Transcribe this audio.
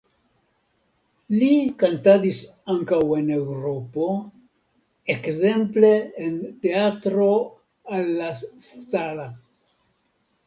Li kantadis ankaŭ en Eŭropo, ekzemple en Teatro alla Scala.